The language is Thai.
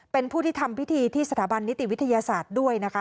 เป็นผู้ที่ทำพิธีที่สถาบันนิติวิทยาศาสตร์ด้วยนะคะ